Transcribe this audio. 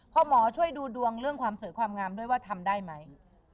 พ่อหมอช่วยดูดวงความสวยความงามด้วยว่าขยับไหม